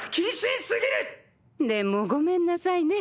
でもごめんなさいね